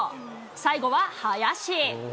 最後は林。